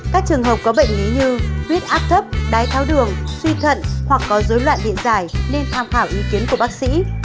các trường hợp có bệnh lý như huyết áp thấp đái tháo đường suy thận hoặc có dối loạn điện dài nên tham khảo ý kiến của bác sĩ